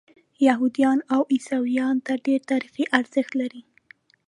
یهودیانو او عیسویانو ته ډېر تاریخي ارزښت لري.